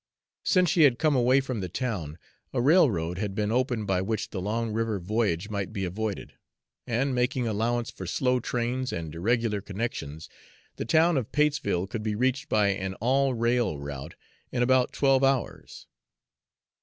Since she had come away from the town, a railroad had been opened by which the long river voyage might be avoided, and, making allowance for slow trains and irregular connections, the town of Patesville could be reached by an all rail route in about twelve hours.